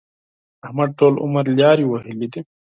احمد ټول عمر لارې وهلې دي.